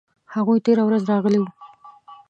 هغوی تیره ورځ راغلي وو